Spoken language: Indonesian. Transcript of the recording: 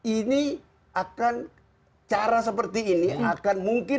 ini akan cara seperti ini akan mungkin